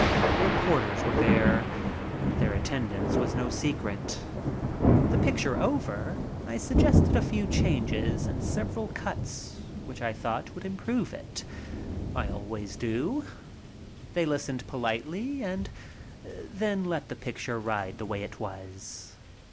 Reporters were there. Their attendance was no secret. The picture over, I suggested a few changes and several cuts which I thought would improve it. I always do. They listened politely and then let the picture ride the way it was.